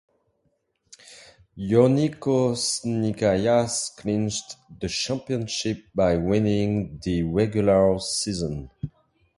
Ionikos Nikaias clinched the championship by winning the regular season.